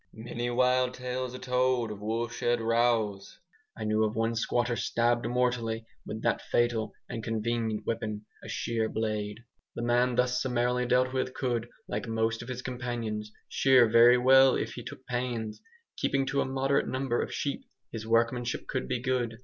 Many wild tales are told of woolshed rows. I knew of one squatter stabbed mortally with that fatal and convenient weapon, a shear blade. The man thus summarily dealt with could, like most of his companions, shear very well if he took pains. Keeping to a moderate number of sheep, his workmanship could be good.